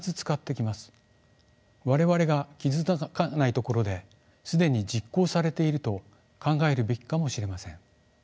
我々が気付かないところで既に実行されていると考えるべきかもしれません。